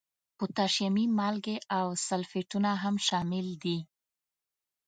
پوتاشیمي مالګې او سلفیټونه هم شامل دي.